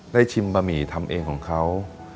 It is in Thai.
ชิมบะหมี่ทำเองของเขา